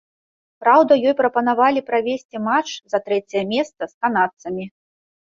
Праўда, ёй прапанавалі правесці матч за трэцяе месца з канадцамі.